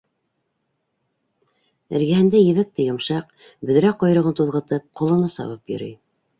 Эргәһендә ебәктәй йомшаҡ, бөҙрә ҡойроғон туҙғытып, ҡолоно сабып йөрөй.